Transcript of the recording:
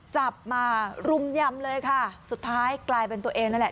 จับมารุมยำเลยค่ะสุดท้ายกลายเป็นตัวเองนั่นแหละ